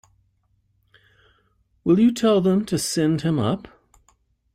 Will you tell them to send him up?